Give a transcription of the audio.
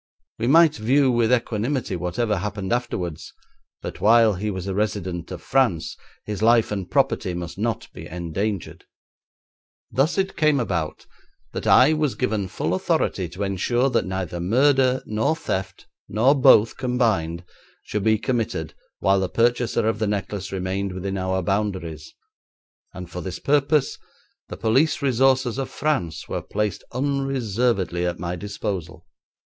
We might view with equanimity whatever happened afterwards, but while he was a resident of France his life and property must not be endangered. Thus it came about that I was given full authority to ensure that neither murder nor theft nor both combined should be committed while the purchaser of the necklace remained within our boundaries, and for this purpose the police resources of France were placed unreservedly at my disposal.